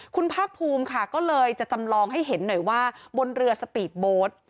คุณภาคภูมิค่ะก็เลยจะจำลองให้เห็นหน่อยว่าบนเรือสปีดโบสต์